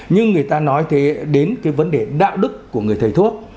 nhưng người ta nói thế đến cái vấn đề đạo đức của người thầy thuốc